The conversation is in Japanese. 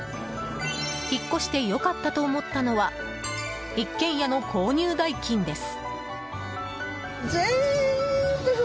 引っ越して良かったと思ったのは一軒家の購入代金です。